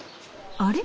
あれ？